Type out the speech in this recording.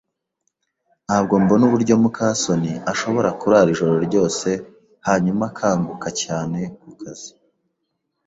Ntabwo mbona uburyo muka soni ashobora kurara ijoro ryose hanyuma akanguka cyane kukazi.